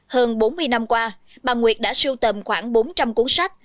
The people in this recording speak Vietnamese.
hơn bốn mươi năm qua bà nguyệt đã sưu tầm khoảng bốn trăm linh cuốn sách